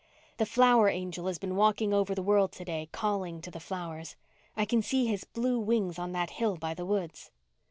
"The flower angel has been walking over the world to day, calling to the flowers. I can see his blue wings on that hill by the woods."